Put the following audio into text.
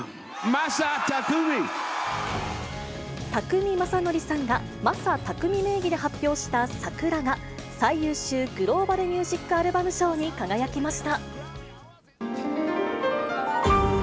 宅見将典さんが、マサ・タクミ名義で発表したＳａｋｕｒａが、最優秀グローバル・ミュージック・アルバム賞に輝きました。